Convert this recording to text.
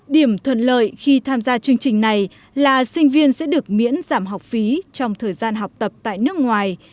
điểm thuận lợi khi tham gia chương trình này là sinh viên sẽ được miễn giảm học phí trong thời gian học tập tại nước ngoài